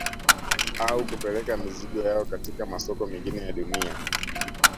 Au kupeleka mizigo yao katika masoko mengine ya dunia